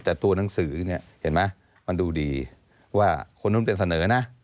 แต่ตัวหนังสือเนี่ยเห็นไหมมันดูดีว่าคนนู้นไปเสนอนะ